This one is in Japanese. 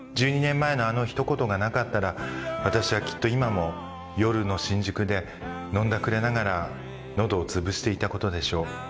１２年前のあの『ひと言』がなかったら私はきっと今も夜の新宿で飲んだくれながら喉を潰していたことでしょう。